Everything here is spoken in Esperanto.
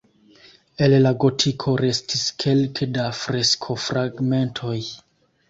El la gotiko restis kelke da freskofragmentoj.